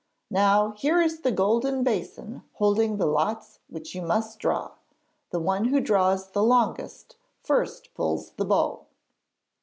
Now here is the golden basin holding the lots which you must draw. The one who draws the longest, first pulls the bow.'